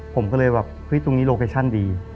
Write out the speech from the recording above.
ผมก็เลยว่าตรงนี้โลเคชันดี